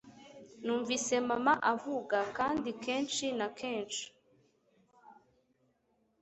numvise mama avuga, kandi kenshi na kenshi